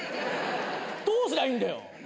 どうすりゃいいんだよ。